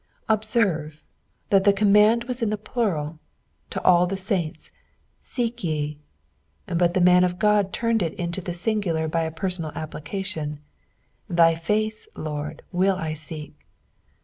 Observe, that the command was in the plural, to all the saints, "Saefcya, " but the man of God turned it into the singular by a penoual application, "Thj/ face. Lord, will / teek."